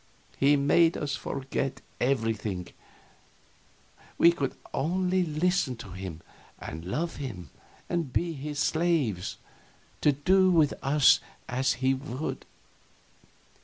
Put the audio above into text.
He made us forget everything; we could only listen to him, and love him, and be his slaves, to do with us as he would.